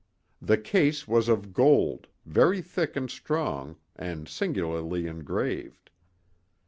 The case was of gold, very thick and strong, and singularly engraved.